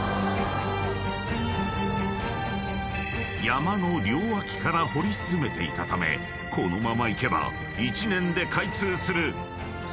［山の両脇から掘り進めていたためこのままいけば］